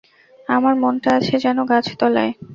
আমার মনটা আছে যেন গাছতলায়।